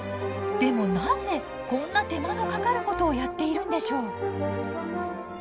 でもなぜこんな手間のかかることをやっているんでしょう。